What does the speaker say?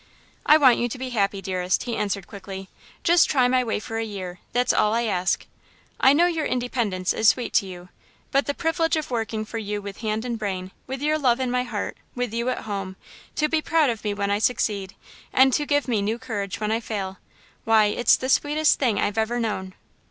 "I want you to be happy, dearest," he answered, quickly. "Just try my way for a year that's all I ask. I know your independence is sweet to you, but the privilege of working for you with hand and brain, with your love in my heart; with you at home, to be proud of me when I succeed and to give me new courage when I fail, why, it's the sweetest thing I've ever known."